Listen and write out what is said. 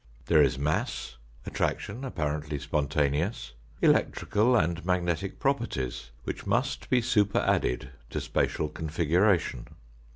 There is mass, attraction apparently spontaneous, elec trical and magnetic properties which must be superadded to spatial configuration.